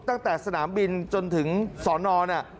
ตั้งแต่สนามบินจนถึงสอนอน